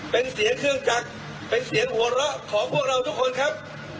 เป็นเสียงเครื่องจักรเป็นเสียงหัวเราะของพวกเราทุกคนครับ